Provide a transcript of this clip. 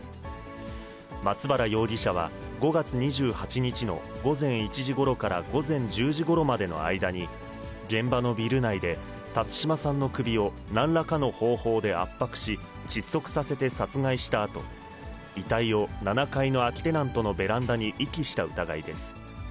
松原容疑者は５月２８日の午前１時ごろから午前１０時ごろまでの間に、現場のビル内で辰島さんの首を、なんらかの方法で圧迫し、窒息させて殺害したあと、遺体を７階の空きテナントのベランダに遺棄した疑いです。